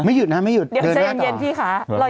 ไม่หยุดนะจะเห็นเย็นเรายังผ่วยงานกันต่อไปนะคะ